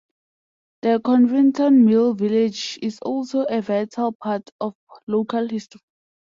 The Covington Mill Village is also a vital part of local history.